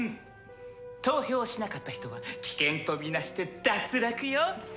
投票しなかった人は棄権とみなして脱落よ。